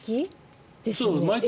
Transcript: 毎月？